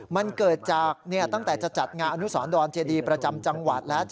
มันเกิดจากตั้งแต่จะจัดงานอนุสรดรเจดีประจำจังหวัดแล้ว